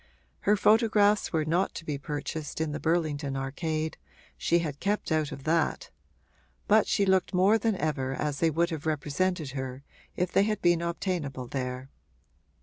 Her photographs were not to be purchased in the Burlington Arcade she had kept out of that; but she looked more than ever as they would have represented her if they had been obtainable there.